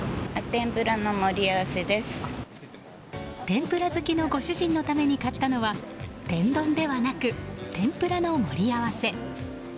天ぷら好きのご主人のために買ったのは、天丼ではなく天ぷらの盛り合わせ。